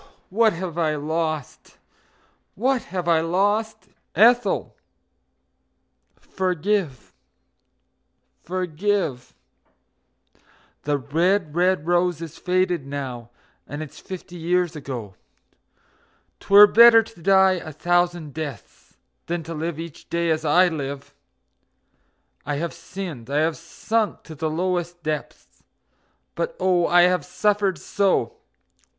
Oh, what have I lost! What have I lost! Ethel, forgive, forgive! The red, red rose is faded now, and it's fifty years ago. 'Twere better to die a thousand deaths than live each day as I live! I have sinned, I have sunk to the lowest depths but oh, I have suffered so!